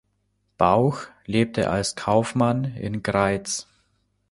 Bauch lebte als Kaufmann in Greiz.